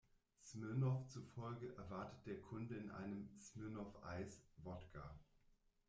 Smirnoff zufolge erwarte der Kunde in einem "Smirnoff Ice" Wodka.